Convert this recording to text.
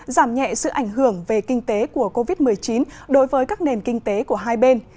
giảm nhẹ sự ảnh hưởng về kinh tế của covid một mươi chín đối với các nền kinh tế của hai bên